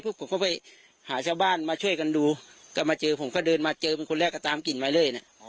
ผมก็ไปหาชาวบ้านมาช่วยกันดูก็มาเจอผมก็เดินมาเจอเป็นคนแรกก็ตามกลิ่นมาเลยน่ะ